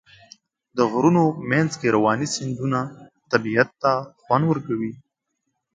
د غرونو منځ کې روانې سیندونه طبیعت ته خوند ورکوي.